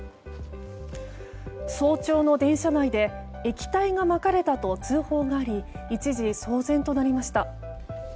早朝の電車内で液体がまかれたと通報があり一時騒然となりました。